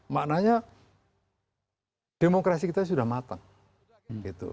maknanya demokrasi kita sudah matang